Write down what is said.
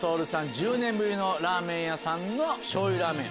１０年ぶりのラーメン屋さんのしょうゆラーメン